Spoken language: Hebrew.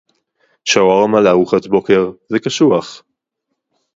שווארמה לארוחת בוקר זה קשוח